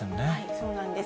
そうなんです。